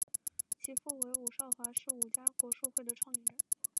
其父为伍绍华是伍家国术会的创立人。